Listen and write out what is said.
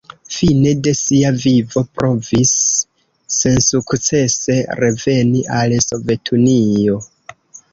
Fine de sia vivo provis sensukcese reveni al Sovetunio.